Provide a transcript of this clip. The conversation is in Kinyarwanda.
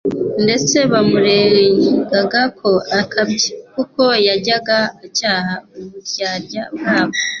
ndetse bamuregaga ko akabya. Kuko yajyaga acyaha uburyarya bwabo,